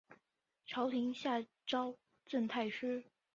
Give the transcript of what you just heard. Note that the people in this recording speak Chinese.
朝廷下诏赠太师。